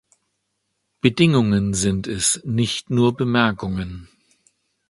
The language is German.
Bedingungen sind es, nicht nur Bemerkungen.